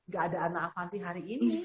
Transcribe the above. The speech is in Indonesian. gak ada anak avanti hari ini